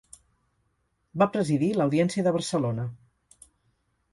Va presidir l'Audiència de Barcelona.